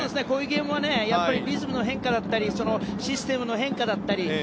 こういうゲームはやっぱりリズムの変化だったりシステムの変化だったり。